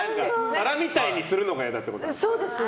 皿みたいにするのが嫌だってこと？